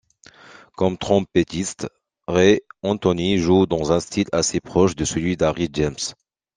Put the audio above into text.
Comme trompettiste, Ray Anthony joue dans un style assez proche de celui d'Harry James.